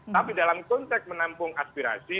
tapi dalam konteks menampung aspirasi